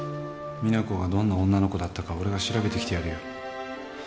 実那子がどんな女の子だったか俺が調べてきてやるよ。